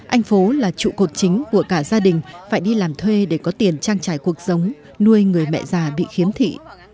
anh phố là trụ cột chính của cả gia đình phải đi làm thuê để có tiền trang trải cuộc sống nuôi người mẹ già bị khiếm thị